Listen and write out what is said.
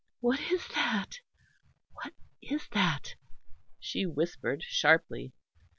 "What is that? What is that?" she whispered sharply.